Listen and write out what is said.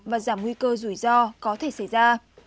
và giảm nguy cơ rủi ro có thể xảy ra